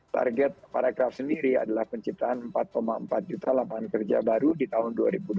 target paragraf sendiri adalah penciptaan empat empat juta lapangan kerja baru di tahun dua ribu dua puluh